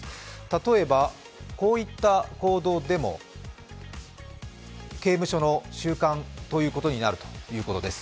例えばこういった行動でも刑務所の収監ということになるということです。